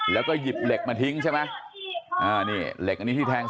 แล้วก็หยิบเหล็กมาทิ้ง